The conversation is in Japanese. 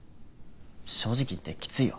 正直言ってきついよ